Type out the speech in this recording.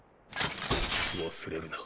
忘れるな。